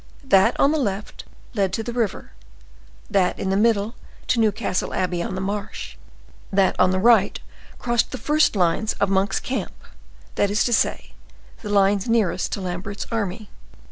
That on the left led to the river, that in the middle to Newcastle Abbey on the marsh, that on the right crossed the first lines of Monk's camp; that is to say, the lines nearest to Lambert's army.